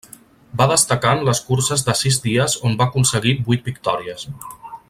Va destacar en les curses de sis dies on va aconseguir vuit victòries.